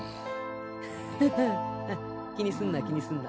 ハハハ気にすんな気にすんな